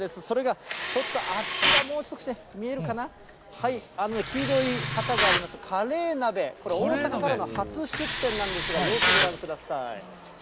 それが、ちょっとあちら、もう少しで見えるかな、黄色い旗がありますけど、カレー鍋、これ、大阪からの初出店なんですが、様子ご覧ください。